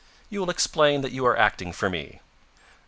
"You will explain that you are acting for me."